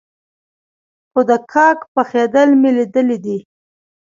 خو د کاک پخېدل مې ليدلي دي.